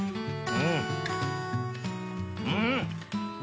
うん！